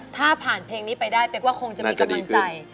ถ้าผ่านเพลงนี้ไปได้เป๊กว่าคงจะมีกำลังใจ